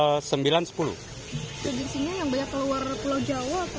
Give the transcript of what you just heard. presisinya yang banyak keluar pulau jawa